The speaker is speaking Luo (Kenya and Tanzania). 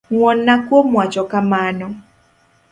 Ngwonna kuom wacho kamano.